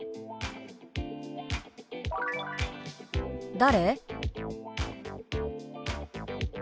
「誰？」。